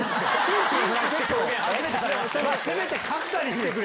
せめて「格差」にしてくれ！